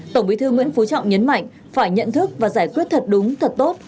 tổng bí thư nguyễn phú trọng nhấn mạnh phải nhận thức và giải quyết thật đúng thật tốt